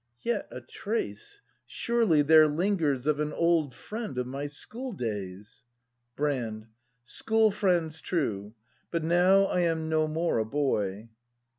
Yet a trace Surely there lingers of an old Friend of my school days — Brand, School friends, true; But now I am no more a boy.